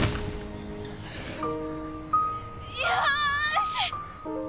よし！